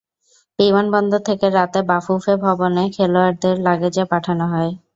বিমানবন্দন থেকে রাতে বাফুফে ভবনে খেলোয়াড়দের লাগেজ পাঠানো হয়।